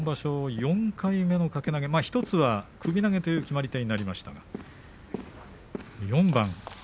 ４回目の掛け投げ１つは、首投げという決まり手になりましたが、４番。